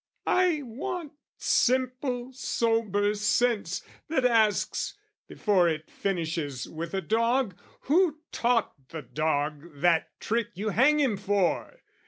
I want simple sober sense, That asks, before it finishes with a dog, Who taught the dog that trick you hang him for?